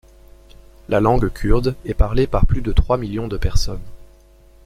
La langue kurde est parlé par plus de trois millions de personnes.